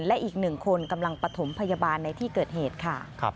และอีกหนึ่งคนกำลังปฐมพยาบาลในที่เกิดเหตุค่ะ